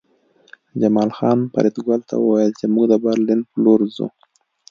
جمال خان فریدګل ته وویل چې موږ د برلین په لور ځو